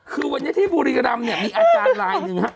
คือวันนี้ที่บุรีรำเนี่ยมีอาจารย์ลายหนึ่งฮะ